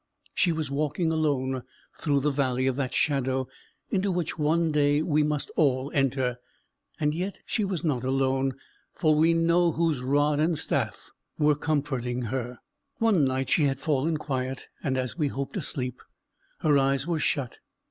She was walking alone, through the valley of that shadow, into which one day we must all enter and yet she was not alone, for we know whose rod and staff were comforting her. One night she had fallen quiet, and as we hoped, asleep; her eyes were shut.